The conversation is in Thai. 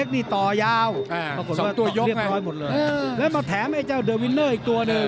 ครับครับครับครับครับครับครับครับครับ